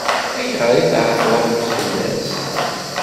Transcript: Ayɣer i tɛeṭṭlemt fell-as?